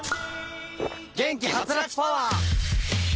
元気ハツラツパワー！